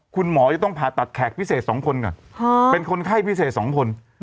คุณหมอจะต้องผ่าตัดแขกพิเศษ๒คนก่อนเป็นคนไข้พิเศษ๒คน